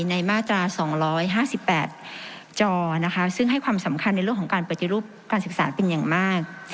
มาตรา๒๕๘จอนะคะซึ่งให้ความสำคัญในเรื่องของการปฏิรูปการศึกษาเป็นอย่างมาก